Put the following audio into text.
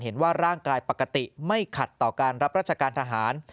เห็นว่าร่างกายปกติไม่ขัดต่อการรับราชการทหาร